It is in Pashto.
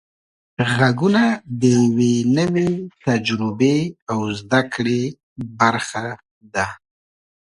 غږونه د یوې نوې تجربې او زده کړې برخه ده.